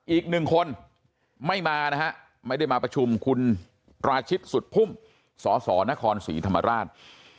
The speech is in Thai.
อีกหนึ่งคนไม่มานะฮะไม่ได้มาประชุมคุณราชิตสุดพุ่มสสนครศรีธรรมราช